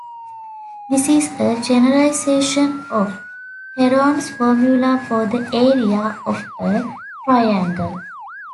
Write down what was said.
This is a generalization of Heron's formula for the area of a triangle.